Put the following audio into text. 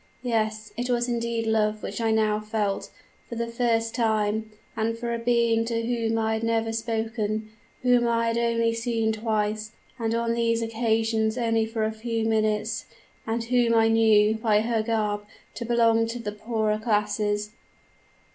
Yes, it was indeed love which I now felt, for the first time, and for a being to whom I had never spoken whom I had only seen twice, and on these occasions only for a few minutes, and whom I knew, by her garb, to belong to the poorer class.